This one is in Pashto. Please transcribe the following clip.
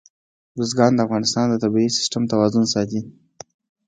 بزګان د افغانستان د طبعي سیسټم توازن ساتي.